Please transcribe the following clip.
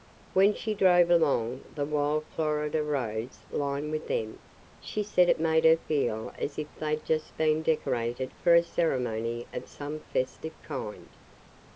When she drove along the wild Florida roads lined with them, she said it made her feel as if they 'd just been decorated for a ceremony of some festive kind.